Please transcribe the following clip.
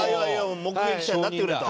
目撃者になってくれと。